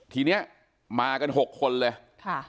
ทีเนี้ยมากัน๖คนเลย